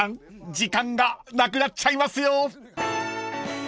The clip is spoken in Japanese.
時間がなくなっちゃいますよ］